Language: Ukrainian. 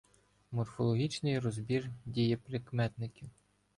Морфологічний розбір дієприкметників